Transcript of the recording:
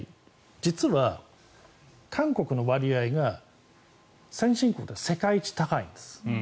実は韓国の割合が先進国で世界一高いんです。